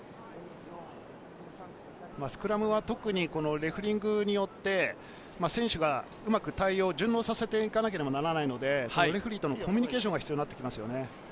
スクラムは特にレフェリングによって、選手がうまく対応、順応させていかなければならないので、コミュニケーションが必要ですよね。